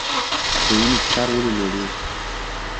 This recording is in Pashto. د وینې فشار ولې لوړیږي؟